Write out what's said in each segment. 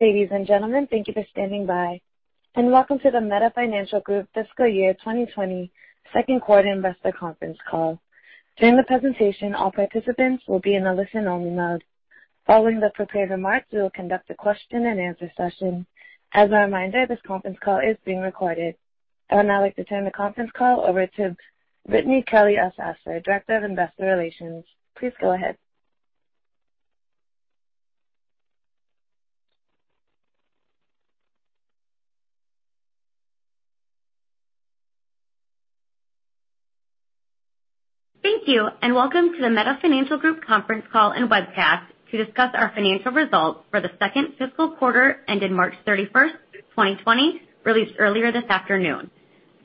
Ladies and gentlemen, thank you for standing by, and Welcome to the Meta Financial Group Fiscal Year 2020 Second Quarter Investor Conference Call. During the presentation, all participants will be in a listen-only mode. Following the prepared remarks, we will conduct a question and answer session. As a reminder, this conference call is being recorded. I would now like to turn the conference call over to Brittany Kelley Elsasser, Director of Investor Relations. Please go ahead. Thank you. Welcome to the Meta Financial Group conference call and webcast to discuss our financial results for the second fiscal quarter ending March 31st, 2020, released earlier this afternoon.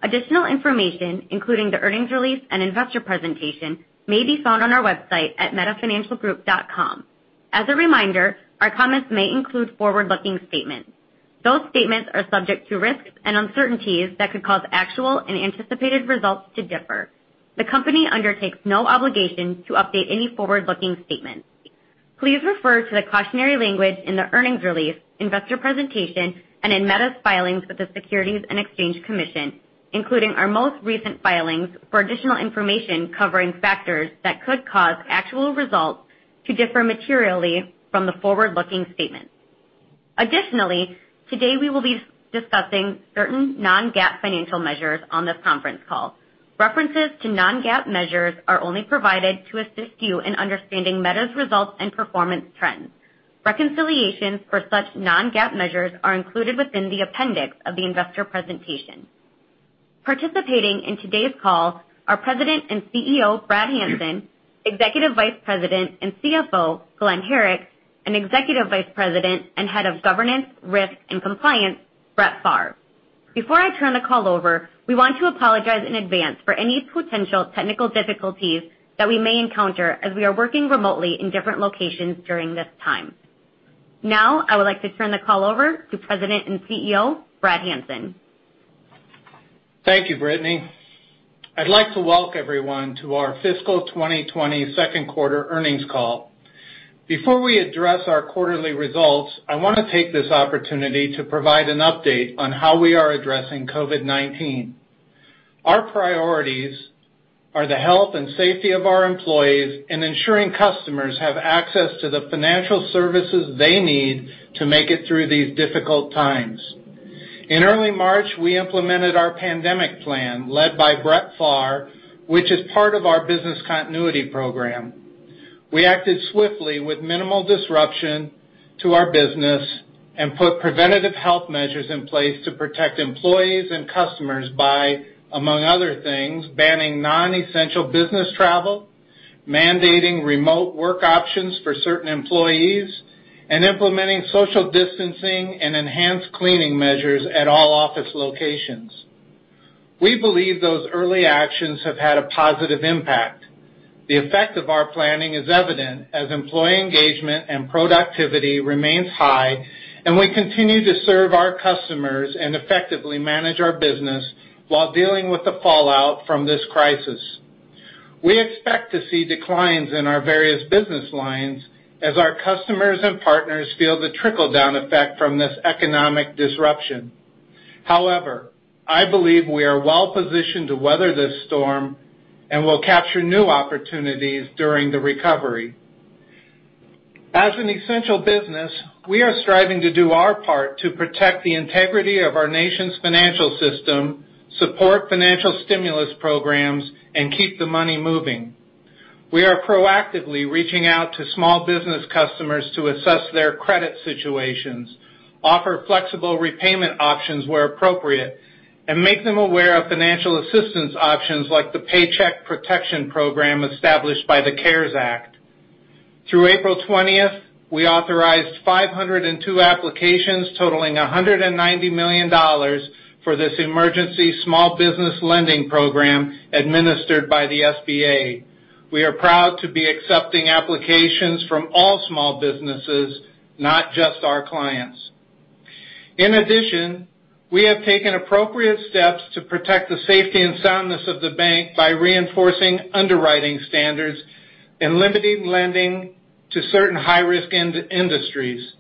Additional information, including the earnings release and investor presentation, may be found on our website at metafinancialgroup.com. As a reminder, our comments may include forward-looking statements. Those statements are subject to risks and uncertainties that could cause actual and anticipated results to differ. The company undertakes no obligation to update any forward-looking statements. Please refer to the cautionary language in the earnings release, investor presentation, and in Meta's filings with the Securities and Exchange Commission, including our most recent filings for additional information covering factors that could cause actual results to differ materially from the forward-looking statements. Today we will be discussing certain non-GAAP financial measures on this conference call. References to non-GAAP measures are only provided to assist you in understanding Meta's results and performance trends. Reconciliations for such non-GAAP measures are included within the appendix of the investor presentation. Participating in today's call are President and CEO, Brad Hanson, Executive Vice President and CFO, Glen Herrick, and Executive Vice President and Head of Governance, Risk, and Compliance, Brett Pharr. Before I turn the call over, we want to apologize in advance for any potential technical difficulties that we may encounter as we are working remotely in different locations during this time. Now, I would like to turn the call over to President and CEO, Brad Hanson. Thank you, Brittany. I'd like to welcome everyone to our fiscal 2020 second quarter earnings call. Before we address our quarterly results, I want to take this opportunity to provide an update on how we are addressing COVID-19. Our priorities are the health and safety of our employees and ensuring customers have access to the financial services they need to make it through these difficult times. In early March, we implemented our pandemic plan led by Brett Pharr, which is part of our business continuity program. We acted swiftly with minimal disruption to our business and put preventative health measures in place to protect employees and customers by, among other things, banning non-essential business travel, mandating remote work options for certain employees, and implementing social distancing and enhanced cleaning measures at all office locations. We believe those early actions have had a positive impact. The effect of our planning is evident as employee engagement and productivity remains high, and we continue to serve our customers and effectively manage our business while dealing with the fallout from this crisis. We expect to see declines in our various business lines as our customers and partners feel the trickle-down effect from this economic disruption. However, I believe we are well-positioned to weather this storm and will capture new opportunities during the recovery. As an essential business, we are striving to do our part to protect the integrity of our nation's financial system, support financial stimulus programs, and keep the money moving. We are proactively reaching out to small business customers to assess their credit situations, offer flexible repayment options where appropriate, and make them aware of financial assistance options like the Paycheck Protection Program established by the CARES Act. Through April 20th, we authorized 502 applications totaling $190 million for this emergency small business lending program administered by the SBA. We are proud to be accepting applications from all small businesses, not just our clients. In addition, we have taken appropriate steps to protect the safety and soundness of the bank by reinforcing underwriting standards and limiting lending to certain high-risk industries.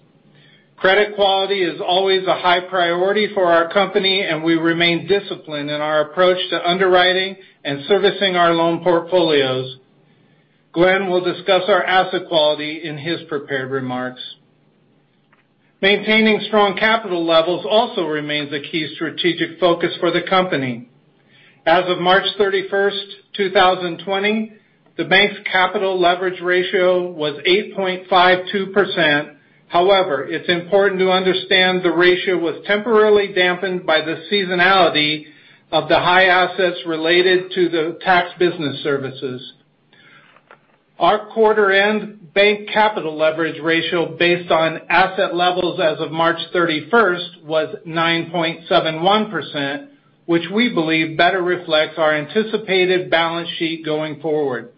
Credit quality is always a high priority for our company, and we remain disciplined in our approach to underwriting and servicing our loan portfolios. Glen will discuss our asset quality in his prepared remarks. Maintaining strong capital levels also remains a key strategic focus for the company. As of March 31st, 2020, the bank's capital leverage ratio was 8.52%. However, it's important to understand the ratio was temporarily dampened by the seasonality of the high assets related to the tax business services. Our quarter-end bank capital leverage ratio based on asset levels as of March 31st was 9.71%, which we believe better reflects our anticipated balance sheet going forward.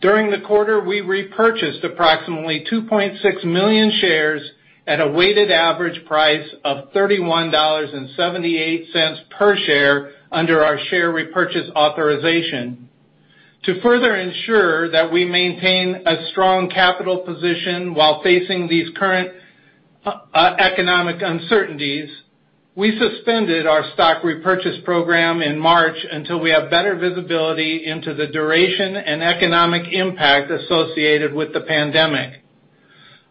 During the quarter, we repurchased approximately $2.6 million shares at a weighted average price of $31.78 per share under our share repurchase authorization. To further ensure that we maintain a strong capital position while facing these current economic uncertainties, we suspended our stock repurchase program in March until we have better visibility into the duration and economic impact associated with the COVID-19 pandemic.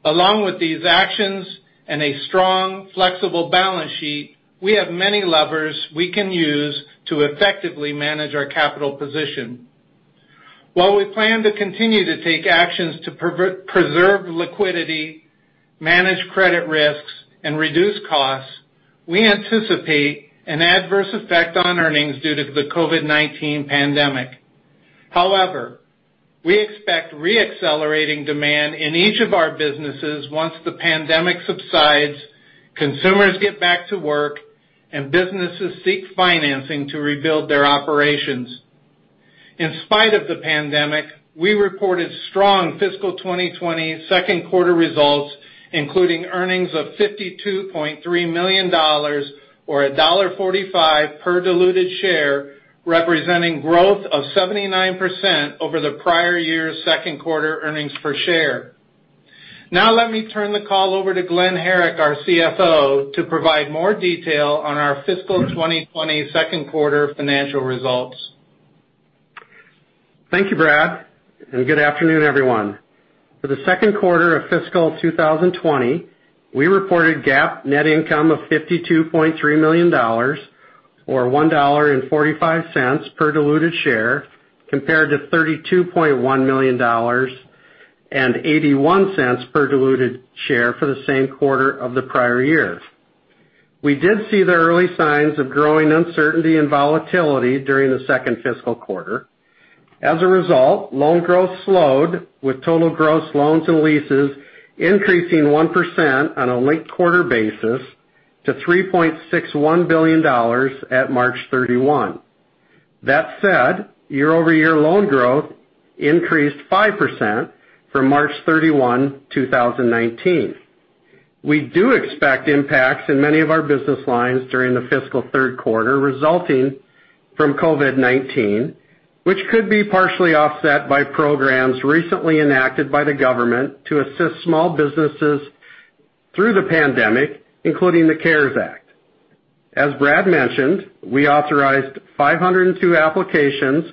Along with these actions and a strong, flexible balance sheet, we have many levers we can use to effectively manage our capital position. While we plan to continue to take actions to preserve liquidity, manage credit risks, and reduce costs, we anticipate an adverse effect on earnings due to the COVID-19 pandemic. However, we expect re-accelerating demand in each of our businesses once the pandemic subsides, consumers get back to work, and businesses seek financing to rebuild their operations. In spite of the pandemic, we reported strong fiscal 2020 second quarter results, including earnings of $52.3 million, or $1.45 per diluted share, representing growth of 79% over the prior year's second quarter earnings per share. Now let me turn the call over to Glen Herrick, our CFO, to provide more detail on our fiscal 2020 second quarter financial results. Thank you, Brad, and good afternoon, everyone. For the second quarter of fiscal 2020, we reported GAAP net income of $52.3 million, or $1.45 per diluted share, compared to $32.1 million and $0.81 per diluted share for the same quarter of the prior year. We did see the early signs of growing uncertainty and volatility during the second fiscal quarter. As a result, loan growth slowed with total gross loans and leases increasing 1% on a linked-quarter basis to $3.61 billion at March 31. That said, year-over-year loan growth increased 5% from March 31, 2019. We do expect impacts in many of our business lines during the fiscal third quarter resulting from COVID-19, which could be partially offset by programs recently enacted by the government to assist small businesses through the pandemic, including the CARES Act. As Brad mentioned, we authorized 502 applications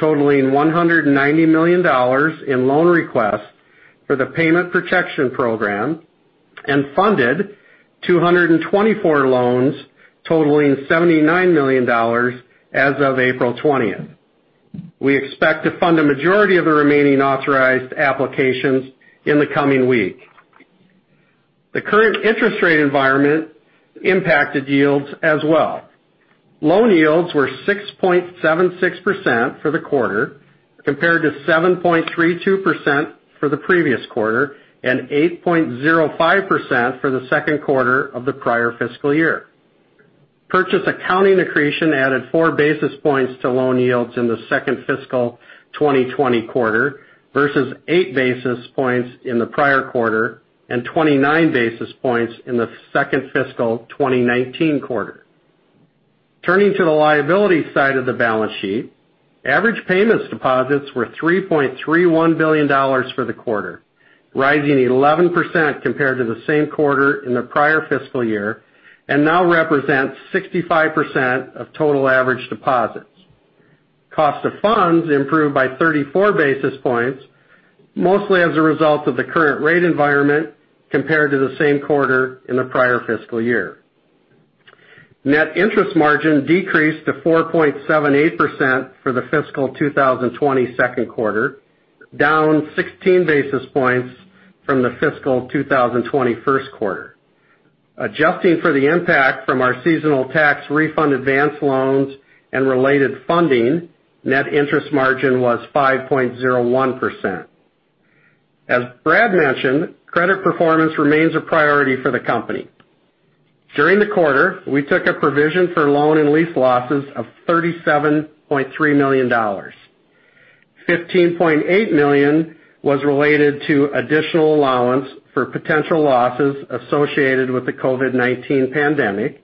totaling $190 million in loan requests for the Paycheck Protection Program and funded 224 loans totaling $79 million as of April 20th. We expect to fund a majority of the remaining authorized applications in the coming week. The current interest rate environment impacted yields as well. Loan yields were 6.76% for the quarter, compared to 7.32% for the previous quarter and 8.05% for the second quarter of the prior fiscal year. Purchase accounting accretion added four basis points to loan yields in the second fiscal 2020 quarter versus eight basis points in the prior quarter and 29 basis points in the second fiscal 2019 quarter. Turning to the liability side of the balance sheet, average payments deposits were $3.31 billion for the quarter, rising 11% compared to the same quarter in the prior fiscal year, and now represents 65% of total average deposits. Cost of funds improved by 34 basis points, mostly as a result of the current rate environment compared to the same quarter in the prior fiscal year. Net interest margin decreased to 4.78% for the fiscal 2020 second quarter, down 16 basis points from the fiscal 2020 first quarter. Adjusting for the impact from our seasonal tax refund advance loans and related funding, net interest margin was 5.01%. As Brad mentioned, credit performance remains a priority for the company. During the quarter, we took a provision for loan and lease losses of $37.3 million. $15.8 million was related to additional allowance for potential losses associated with the COVID-19 pandemic,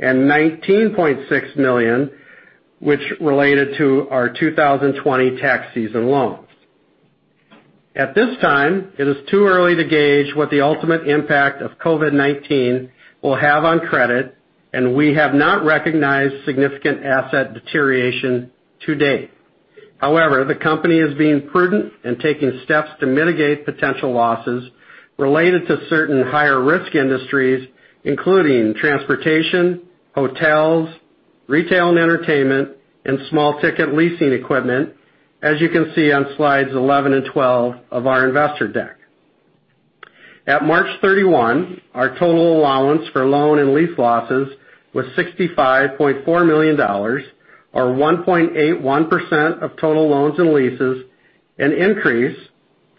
and $19.6 million, which related to our 2020 tax season loans. At this time, it is too early to gauge what the ultimate impact of COVID-19 will have on credit, and we have not recognized significant asset deterioration to date. However, the company is being prudent and taking steps to mitigate potential losses related to certain higher risk industries, including transportation, hotels, retail and entertainment, and small-ticket leasing equipment, as you can see on slides 11 and 12 of our investor deck. At March 31, our total allowance for loan and lease losses was $65.4 million, or 1.81% of total loans and leases, an increase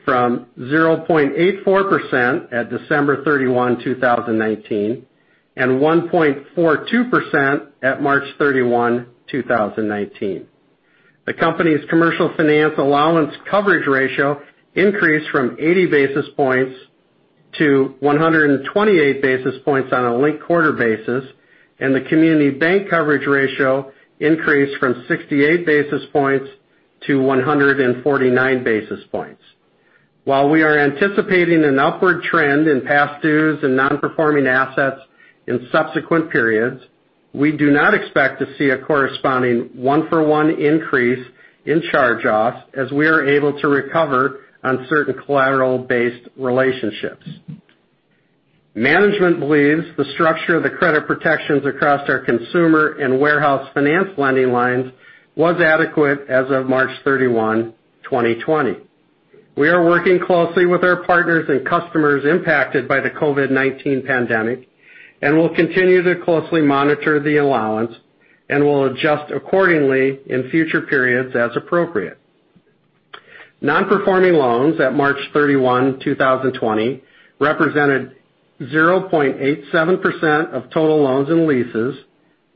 from 0.84% at December 31, 2019, and 1.42% at March 31, 2019. The company's commercial finance allowance coverage ratio increased from 80 basis points to 128 basis points on a linked-quarter basis, and the community bank coverage ratio increased from 68 basis points to 149 basis points. While we are anticipating an upward trend in past dues and non-performing assets in subsequent periods, we do not expect to see a corresponding one-for-one increase in charge-offs as we are able to recover on certain collateral-based relationships. Management believes the structure of the credit protections across our consumer and warehouse finance lending lines was adequate as of March 31, 2020. We are working closely with our partners and customers impacted by the COVID-19 pandemic and will continue to closely monitor the allowance and will adjust accordingly in future periods as appropriate. Non-performing loans at March 31, 2020, represented 0.87% of total loans and leases,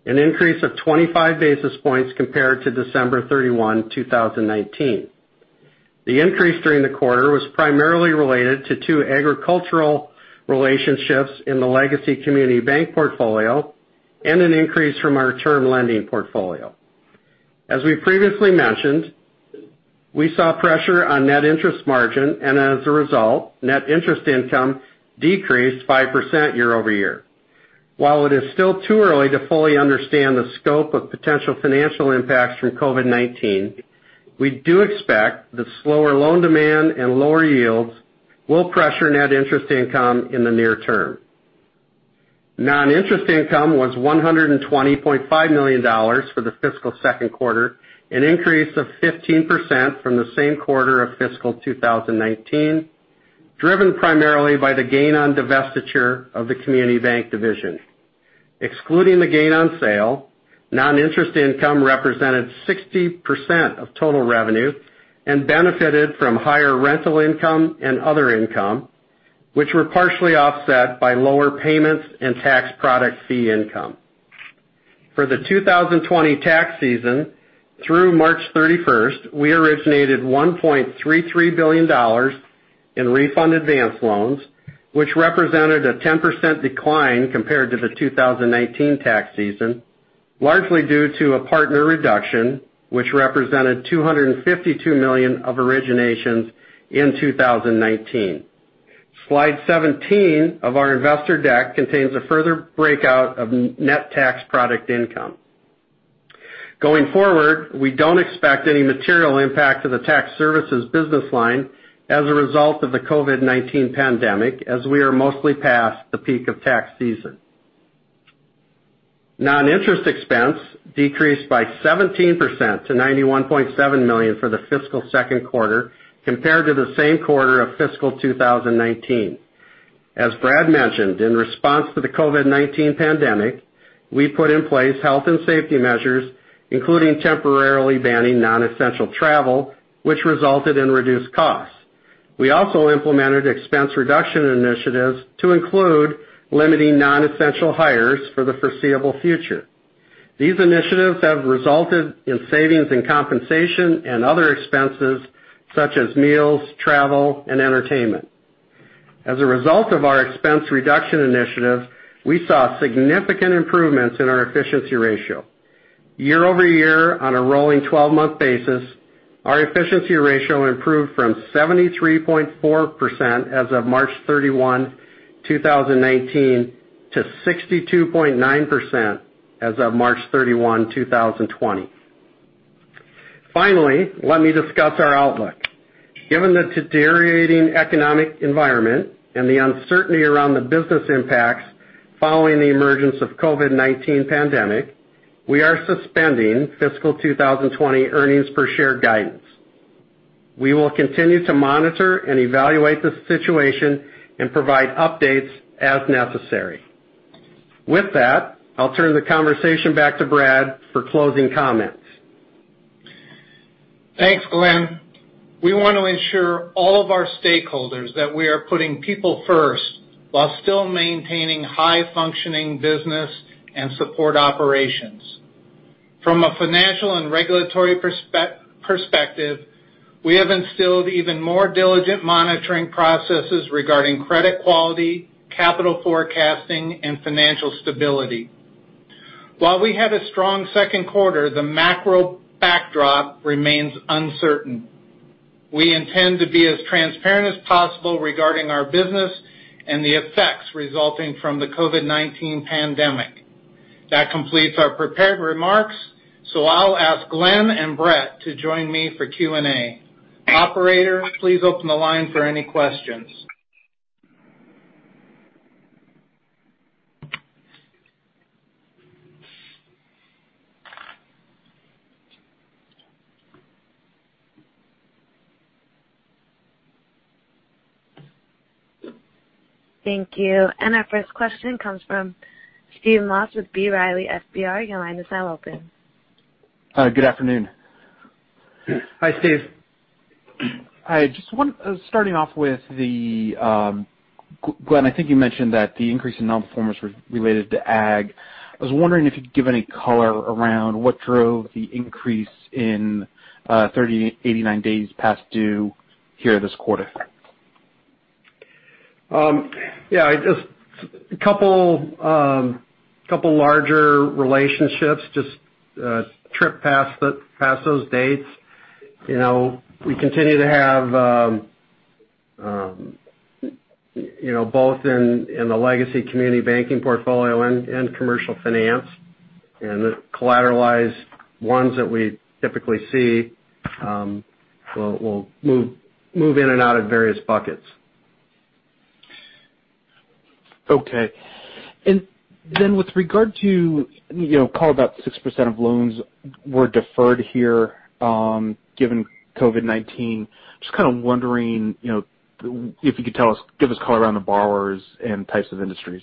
an increase of 25 basis points compared to December 31, 2019. The increase during the quarter was primarily related to two agricultural relationships in the legacy community bank portfolio and an increase from our term lending portfolio. As we previously mentioned, we saw pressure on net interest margin, and as a result, net interest income decreased 5% year-over-year. While it is still too early to fully understand the scope of potential financial impacts from COVID-19, we do expect the slower loan demand and lower yields will pressure net interest income in the near term. Non-interest income was $120.5 million for the fiscal second quarter, an increase of 15% from the same quarter of fiscal 2019, driven primarily by the gain on divestiture of the community bank division. Excluding the gain on sale, non-interest income represented 60% of total revenue and benefited from higher rental income and other income, which were partially offset by lower payments and tax product fee income. For the 2020 tax season through March 31st, we originated $1.33 billion in refund advance loans, which represented a 10% decline compared to the 2019 tax season, largely due to a partner reduction which represented $252 million of originations in 2019. Slide 17 of our investor deck contains a further breakout of net tax product income. Going forward, we don't expect any material impact to the tax services business line as a result of the COVID-19 pandemic, as we are mostly past the peak of tax season. Non-interest expense decreased by 17% to $91.7 million for the fiscal second quarter compared to the same quarter of fiscal 2019. As Brad mentioned, in response to the COVID-19 pandemic, we put in place health and safety measures, including temporarily banning non-essential travel, which resulted in reduced costs. We also implemented expense reduction initiatives to include limiting non-essential hires for the foreseeable future. These initiatives have resulted in savings in compensation and other expenses such as meals, travel, and entertainment. As a result of our expense reduction initiatives, we saw significant improvements in our efficiency ratio. Year over year on a rolling 12-month basis, our efficiency ratio improved from 73.4% as of March 31, 2019, to 62.9% as of March 31, 2020. Finally, let me discuss our outlook. Given the deteriorating economic environment and the uncertainty around the business impacts following the emergence of COVID-19 pandemic, we are suspending fiscal 2020 earnings per share guidance. We will continue to monitor and evaluate the situation and provide updates as necessary. With that, I'll turn the conversation back to Brad for closing comments. Thanks, Glen. We want to assure all of our stakeholders that we are putting people first while still maintaining high-functioning business and support operations. From a financial and regulatory perspective, we have instilled even more diligent monitoring processes regarding credit quality, capital forecasting, and financial stability. While we had a strong second quarter, the macro backdrop remains uncertain. We intend to be as transparent as possible regarding our business and the effects resulting from the COVID-19 pandemic. That completes our prepared remarks, so I'll ask Glen and Brett to join me for Q&A. Operator, please open the line for any questions. Thank you. Our first question comes from Steve Moss with B. Riley FBR. Your line is now open. Good afternoon. Hi, Steve. Hi. Just one. Starting off with Glen, I think you mentioned that the increase in non-performers was related to ag. I was wondering if you'd give any color around what drove the increase in 30 to 89 days past due here this quarter? Yeah. Just a couple larger relationships just tripped past those dates. We continue to have both in the legacy community banking portfolio and Commercial Finance, and the collateralized ones that we typically see will move in and out of various buckets. Okay. With regard to call it about 6% of loans were deferred here given COVID-19. Just kind of wondering if you could give us color around the borrowers and types of industries?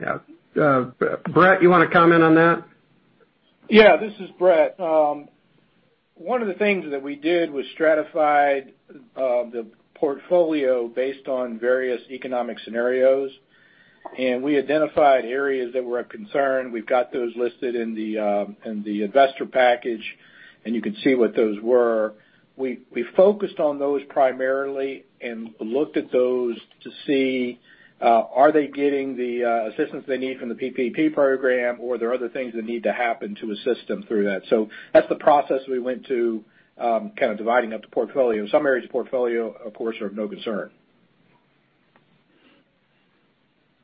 Yeah. Brett, you want to comment on that? Yeah. This is Brett. One of the things that we did was stratified the portfolio based on various economic scenarios. We identified areas that were of concern. We've got those listed in the investor package. You can see what those were. We focused on those primarily and looked at those to see are they getting the assistance they need from the PPP program or are there other things that need to happen to assist them through that. That's the process we went to kind of dividing up the portfolio. Some areas of portfolio, of course, are of no concern.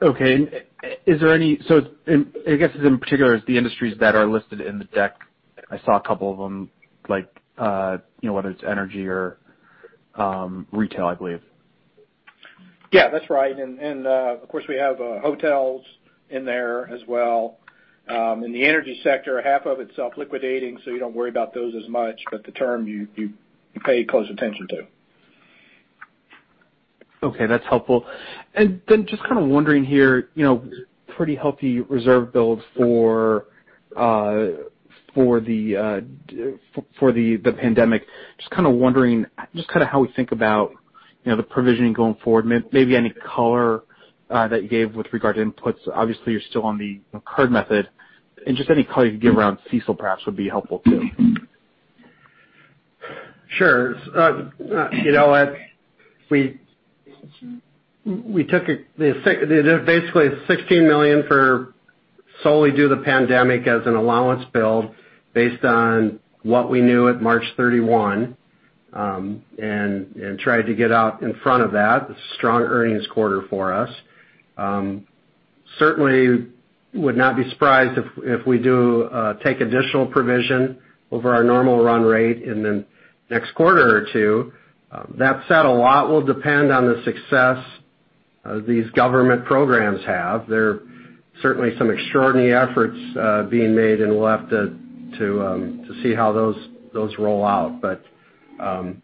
Okay. I guess in particular is the industries that are listed in the deck. I saw a couple of them, like whether it's energy or retail, I believe. Yeah, that's right. Of course, we have hotels in there as well. In the energy sector, half of it's self-liquidating, so you don't worry about those as much, but the term you pay close attention to. Okay, that's helpful. Then just kind of wondering here, pretty healthy reserve build for the pandemic. Just kind of wondering how we think about the provisioning going forward, maybe any color that you gave with regard to inputs. Obviously, you're still on the incurred method, and just any color you could give around CECL perhaps would be helpful too. Sure. Basically, it's $16 million for solely due to the pandemic as an allowance build based on what we knew at March 31, and tried to get out in front of that. It's a strong earnings quarter for us. Certainly would not be surprised if we do take additional provision over our normal run rate in the next quarter or two. That said, a lot will depend on the success these government programs have. There are certainly some extraordinary efforts being made, and we'll have to see how those roll out.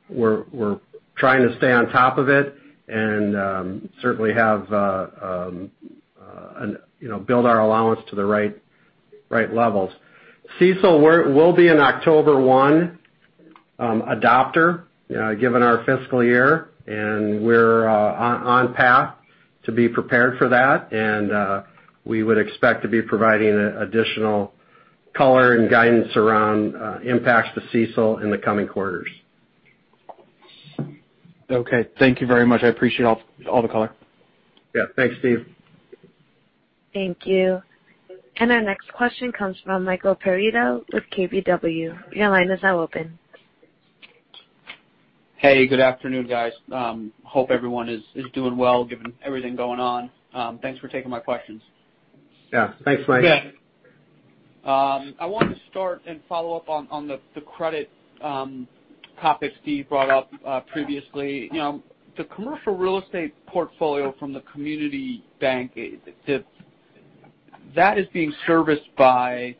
We're trying to stay on top of it and certainly build our allowance to the right levels. CECL, we'll be an October 1 adopter given our fiscal year, and we're on path to be prepared for that. We would expect to be providing additional color and guidance around impacts to CECL in the coming quarters. Okay. Thank you very much. I appreciate all the color. Yeah. Thanks, Steve. Thank you. Our next question comes from Michael Perito with KBW. Your line is now open. Hey, good afternoon, guys. Hope everyone is doing well given everything going on. Thanks for taking my questions. Yeah. Thanks, Mike. Yeah. I wanted to start and follow up on the credit topic Steve brought up previously. The commercial real estate portfolio from the community bank, that is being serviced by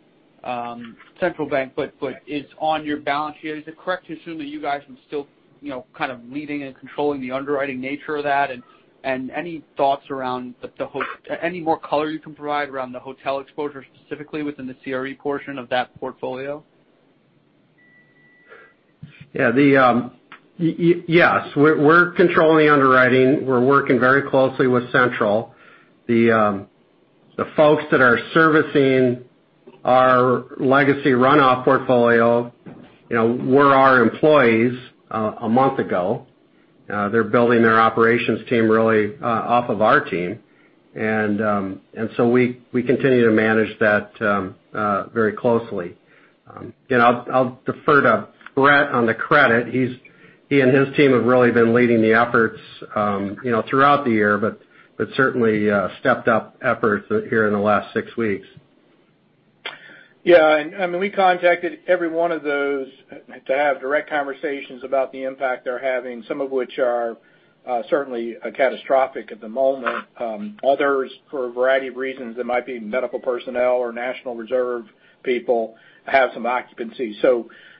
Central Bancompany, but it's on your balance sheet. Is it correct to assume that you guys are still kind of leading and controlling the underwriting nature of that? Any more color you can provide around the hotel exposure specifically within the CRE portion of that portfolio? Yes. We're controlling the underwriting. We're working very closely with Central. The folks that are servicing our legacy runoff portfolio were our employees a month ago. They're building their operations team really off of our team. We continue to manage that very closely. I'll defer to Brett on the credit. He and his team have really been leading the efforts throughout the year, but certainly stepped up efforts here in the last six weeks. Yeah. We contacted everyone of those to have direct conversations about the impact they're having, some of which are certainly catastrophic at the moment. Others, for a variety of reasons, it might be medical personnel or National Reserve people have some occupancy.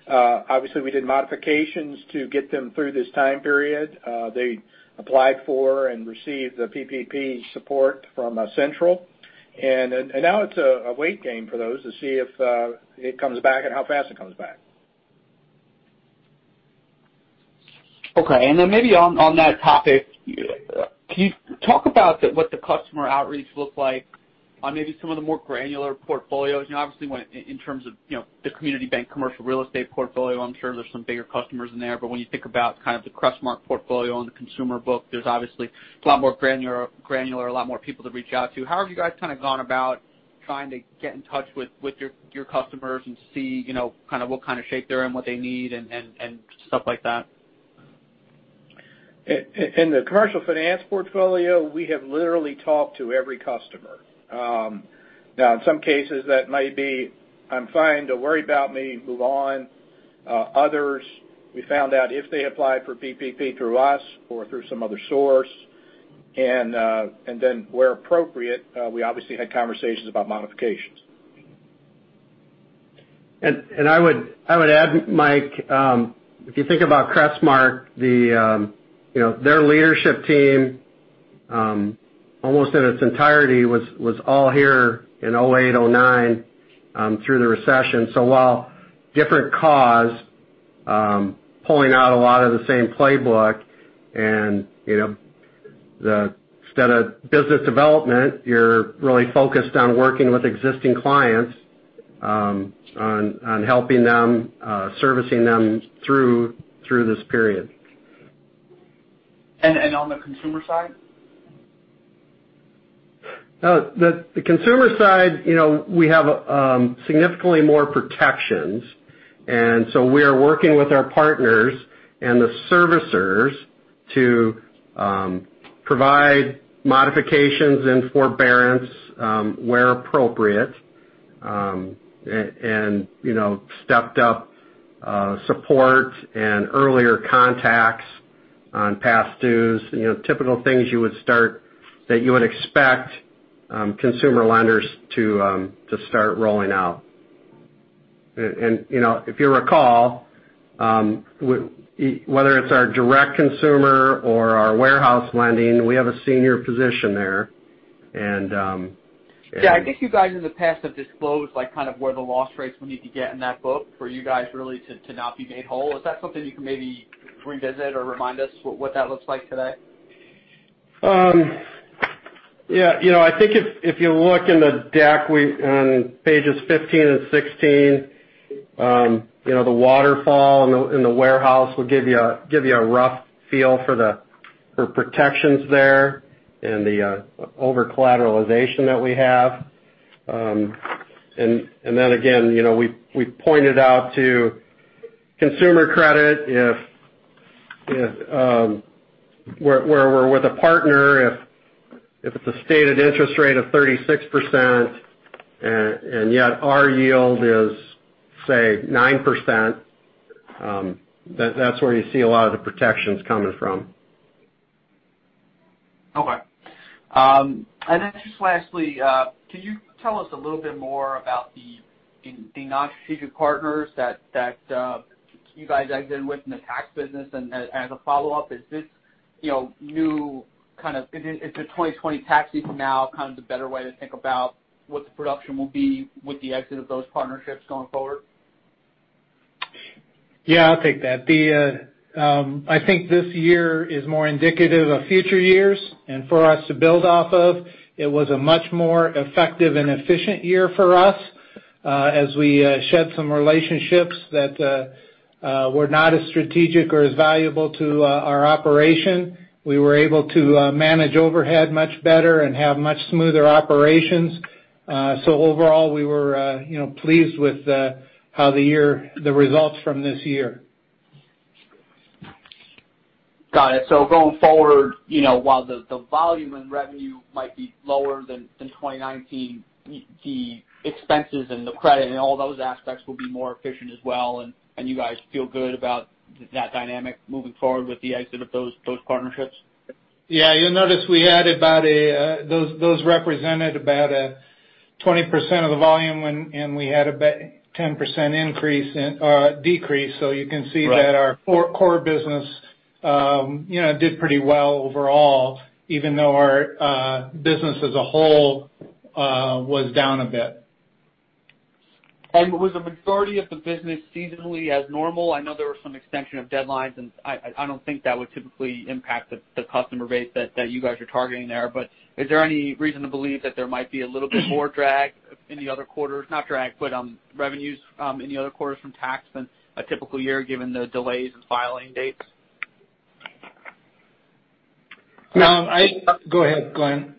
Obviously we did modifications to get them through this time period. They applied for and received the PPP support from Central. Now it's a wait game for those to see if it comes back and how fast it comes back. Okay. Maybe on that topic, can you talk about what the customer outreach looked like? On maybe some of the more granular portfolios, obviously in terms of the community bank commercial real estate portfolio, I'm sure there's some bigger customers in there, but when you think about kind of the Crestmark portfolio and the consumer book, there's obviously a lot more granular, a lot more people to reach out to. How have you guys kind of gone about trying to get in touch with your customers and see what kind of shape they're in, what they need and stuff like that? In the commercial finance portfolio, we have literally talked to every customer. Now, in some cases, that may be, "I'm fine, don't worry about me," move on. Others, we found out if they applied for PPP through us or through some other source. Where appropriate, we obviously had conversations about modifications. I would add, Mike, if you think about Crestmark, their leadership team, almost in its entirety, was all here in 2008, 2009, through the recession. While different cause, pulling out a lot of the same playbook and instead of business development, you're really focused on working with existing clients, on helping them, servicing them through this period. On the consumer side? The consumer side, we have significantly more protections. We are working with our partners and the servicers to provide modifications and forbearance where appropriate. Stepped up support and earlier contacts on past dues. Typical things that you would expect consumer lenders to start rolling out. If you recall, whether it's our direct consumer or our warehouse lending, we have a senior position there. Yeah, I guess you guys in the past have disclosed kind of where the loss rates will need to get in that book for you guys really to not be made whole. Is that something you can maybe revisit or remind us what that looks like today? Yeah. I think if you look in the deck on pages 15 and 16, the waterfall and the warehouse will give you a rough feel for protections there and the over-collateralization that we have. Then again, we pointed out to consumer credit, where we're with a partner, if it's a stated interest rate of 36% and yet our yield is, say, 9%, that's where you see a lot of the protections coming from. Okay. Just lastly, can you tell us a little bit more about the non-strategic partners that you guys exited with in the tax business? As a follow-up, is the 2020 tax season now kind of the better way to think about what the production will be with the exit of those partnerships going forward? Yeah, I'll take that. I think this year is more indicative of future years and for us to build off of. It was a much more effective and efficient year for us as we shed some relationships that were not as strategic or as valuable to our operation. We were able to manage overhead much better and have much smoother operations. Overall, we were pleased with the results from this year. Got it. Going forward, while the volume and revenue might be lower than 2019, the expenses and the credit and all those aspects will be more efficient as well, and you guys feel good about that dynamic moving forward with the exit of those partnerships? Yeah, you'll notice those represented about 20% of the volume and we had a 10% decrease. Right. That our core business did pretty well overall, even though our business as a whole was down a bit. Was the majority of the business seasonally as normal? I know there were some extension of deadlines, and I don't think that would typically impact the customer base that you guys are targeting there, but is there any reason to believe that there might be a little bit more drag in the other quarters, not drag, but revenues in the other quarters from tax than a typical year, given the delays in filing dates? No. Go ahead, Glen.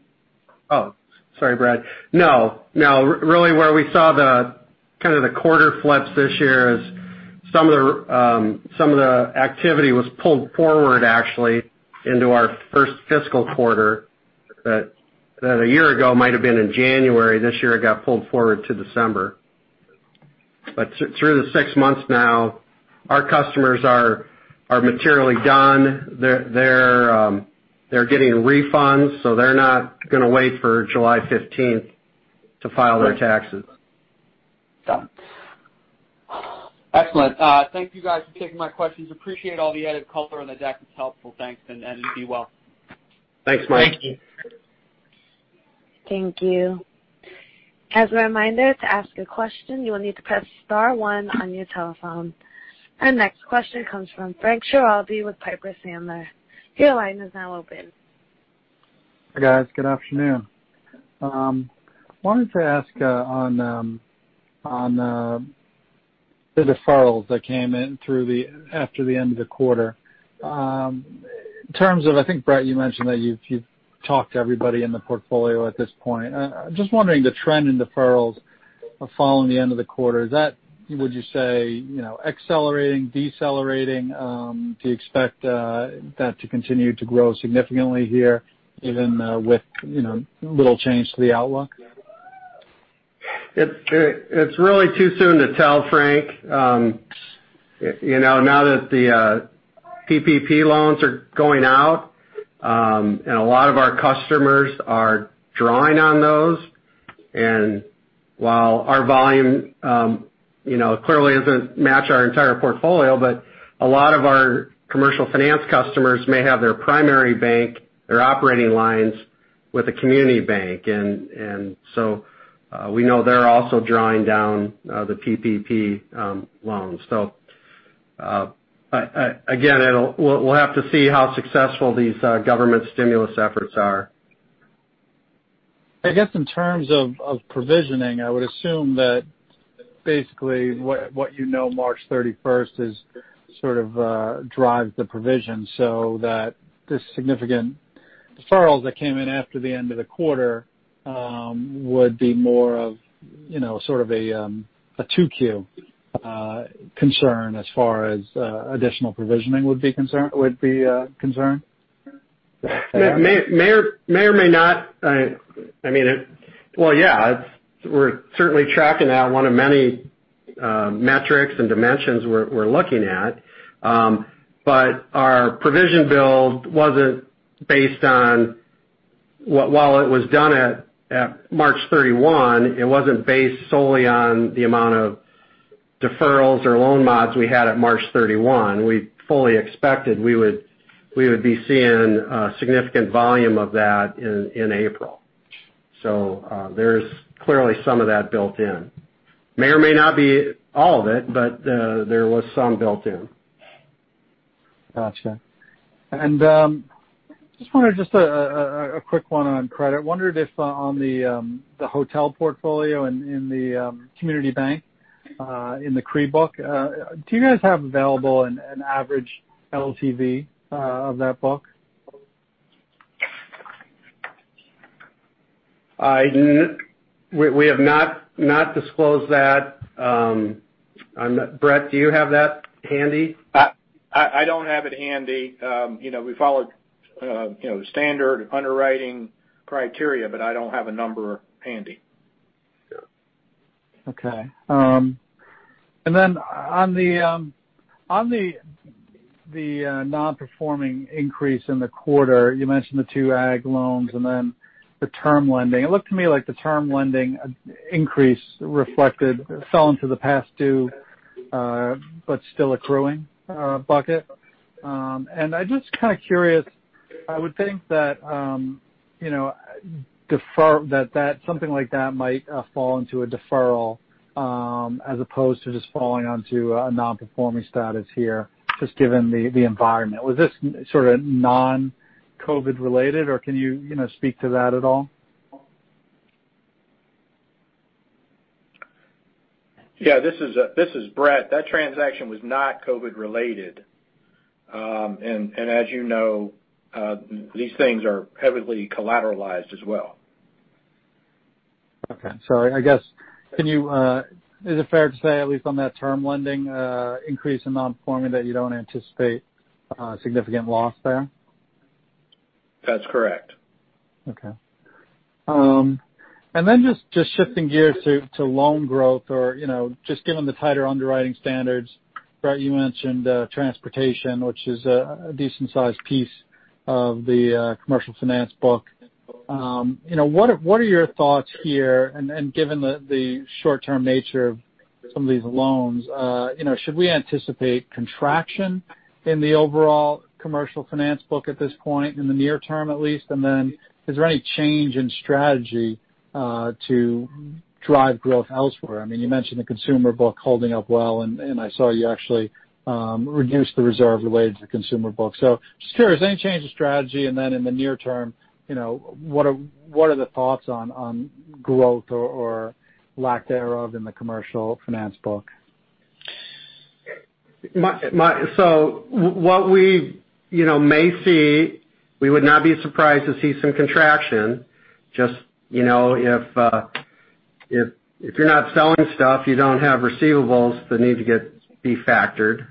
Oh, sorry, Brad Hanson. No. Really where we saw the kind of the quarter flips this year is some of the activity was pulled forward, actually, into our first fiscal quarter, that a year ago might've been in January. This year, it got pulled forward to December. Through the six months now, our customers are materially done. They're getting refunds, they're not going to wait for July 15th to file their taxes. Got it. Excellent. Thank you guys for taking my questions. Appreciate all the added color on the deck. It's helpful. Thanks, and be well. Thanks, Mike. Thank you. Thank you. As a reminder, to ask a question, you will need to press star one on your telephone. Our next question comes from Frank Schiraldi with Piper Sandler. Your line is now open. Hi, guys. Good afternoon. Wanted to ask on the deferrals that came in after the end of the quarter. In terms of, I think, Brett, you mentioned that you've talked to everybody in the portfolio at this point. Just wondering the trend in deferrals following the end of the quarter. Is that, would you say, accelerating, decelerating? Do you expect that to continue to grow significantly here even with little change to the outlook? It's really too soon to tell, Frank. Now that the PPP loans are going out, and a lot of our customers are drawing on those. While our volume clearly doesn't match our entire portfolio, but a lot of our commercial finance customers may have their primary bank, their operating lines with a community bank. We know they're also drawing down the PPP loans. Again, we'll have to see how successful these government stimulus efforts are. I guess in terms of provisioning, I would assume that basically what you know March 31st sort of drives the provision so that the significant deferrals that came in after the end of the quarter would be more of sort of a 2Q concern as far as additional provisioning would be concerned? May or may not. Well, yeah. We're certainly tracking that, one of many metrics and dimensions we're looking at. Our provision build, while it was done at March 31, it wasn't based solely on the amount of deferrals or loan mods we had at March 31. We fully expected we would be seeing a significant volume of that in April. There's clearly some of that built in. May or may not be all of it, but there was some built in. Got you. Just a quick one on credit. Wondered if on the hotel portfolio and in the community bank, in the CRE book, do you guys have available an average LTV of that book? We have not disclosed that. Brett, do you have that handy? I don't have it handy. We followed standard underwriting criteria, but I don't have a number handy. Okay. Then on the non-performing increase in the quarter, you mentioned the two ag loans and then the term lending. It looked to me like the term lending increase fell into the past due, but still accruing bucket. I'm just kind of curious, I would think that something like that might fall into a deferral as opposed to just falling onto a non-performing status here, just given the environment. Was this sort of non-COVID related, or can you speak to that at all? Yeah. This is Brett. That transaction was not COVID related. As you know, these things are heavily collateralized as well. Okay. I guess is it fair to say, at least on that term lending increase in non-performing, that you don't anticipate a significant loss there? That's correct. Okay. Then just shifting gears to loan growth or just given the tighter underwriting standards. Brett, you mentioned transportation, which is a decent-sized piece of the commercial finance book. What are your thoughts here, and given the short-term nature of some of these loans, should we anticipate contraction in the overall commercial finance book at this point in the near term at least? Then is there any change in strategy to drive growth elsewhere? You mentioned the consumer book holding up well, and I saw you actually reduce the reserve related to the consumer book. Just curious, any change in strategy? Then in the near term, what are the thoughts on growth or lack thereof in the commercial finance book? What we may see, we would not be surprised to see some contraction. Just if you're not selling stuff, you don't have receivables that need to be factored.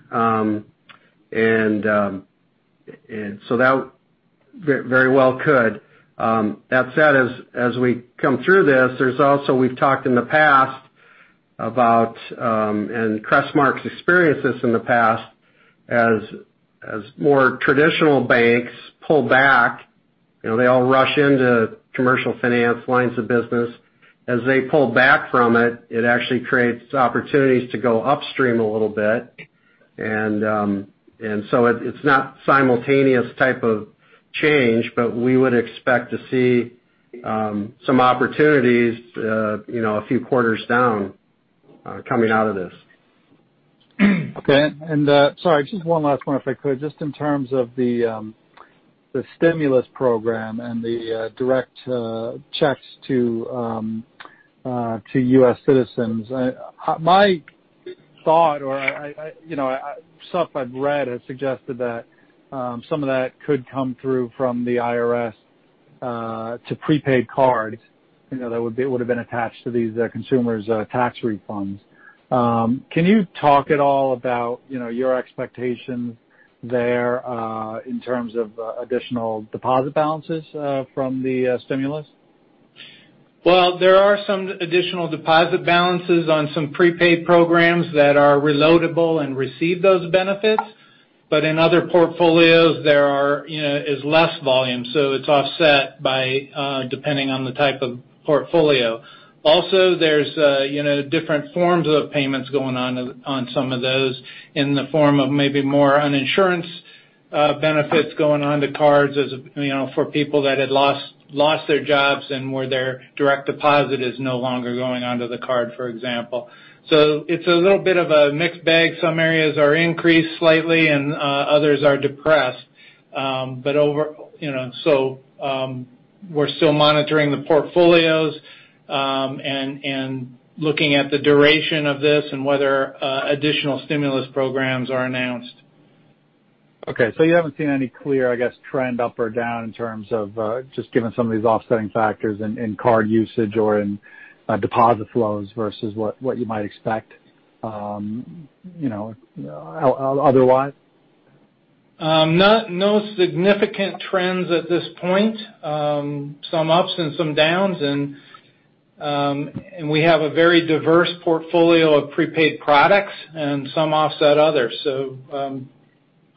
That very well could. That said, as we come through this, there's also we've talked in the past about, and Crestmark's experienced this in the past, as more traditional banks pull back, they all rush into commercial finance lines of business. As they pull back from it actually creates opportunities to go upstream a little bit. It's not simultaneous type of change, but we would expect to see some opportunities, a few quarters down coming out of this. Okay. Sorry, just one last one, if I could. Just in terms of the stimulus program and the direct checks to U.S. citizens. My thought, or stuff I've read, has suggested that some of that could come through from the IRS to prepaid cards that would've been attached to these consumers' tax refunds. Can you talk at all about your expectations there in terms of additional deposit balances from the stimulus? Well, there are some additional deposit balances on some prepaid programs that are reloadable and receive those benefits. In other portfolios, there is less volume, so it's offset by depending on the type of portfolio. There's different forms of payments going on some of those in the form of maybe more unemployment benefits going onto cards as for people that had lost their jobs and where their direct deposit is no longer going onto the card, for example. It's a little bit of a mixed bag. Some areas are increased slightly and others are depressed. We're still monitoring the portfolios, and looking at the duration of this and whether additional stimulus programs are announced. Okay, you haven't seen any clear, I guess, trend up or down in terms of just given some of these offsetting factors in card usage or in deposit flows versus what you might expect otherwise? No significant trends at this point. Some ups and some downs, and we have a very diverse portfolio of prepaid products and some offset others.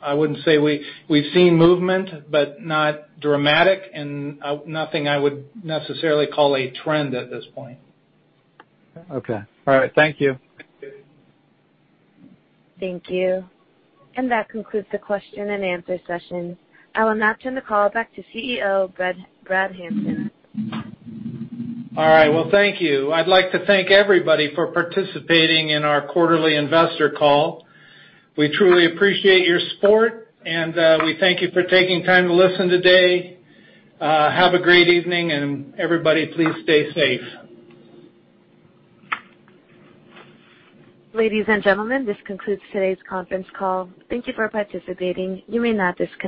I wouldn't say we've seen movement, but not dramatic and nothing I would necessarily call a trend at this point. Okay. All right. Thank you. Thank you. That concludes the question and answer session. I will now turn the call back to CEO, Brad Hanson. All right. Well, thank you. I'd like to thank everybody for participating in our quarterly investor call. We truly appreciate your support, and we thank you for taking time to listen today. Have a great evening, and everybody please stay safe. Ladies and gentlemen, this concludes today's conference call. Thank you for participating. You may now disconnect.